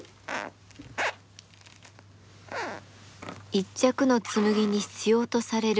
一着の紬に必要とされる